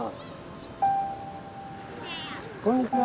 こんにちは。